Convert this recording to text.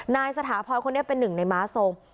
สถาพรคนนี้เป็นหนึ่งในม้าทรง